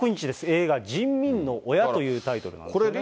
映画、人民の親というタイトルなんですよね。